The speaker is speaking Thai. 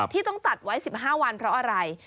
ที่ต้องตัดไว้๑๕วันเพราะอะไร